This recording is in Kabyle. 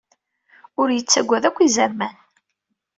Ur yettagad akk izerman.